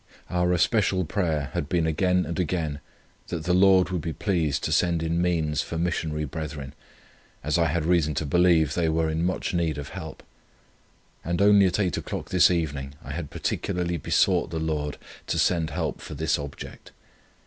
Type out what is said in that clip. "Our especial prayer had been again and again, that the Lord would be pleased to send in means for missionary brethren, as I had reason to believe they were in much need of help; and only at eight o'clock this evening I had particularly besought the Lord to send help for this object.